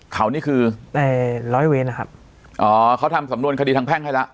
เขานี่คือในร้อยเวรนะครับอ๋อเขาทำสำนวนคดีทางแพ่งให้แล้ว